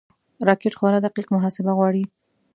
راکټ خورا دقیق محاسبه غواړي